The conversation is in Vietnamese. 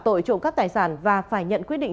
tội trộm cắp tài sản và phải nhận quyết định